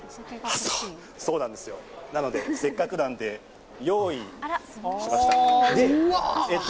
せっかくなんで、用意しました。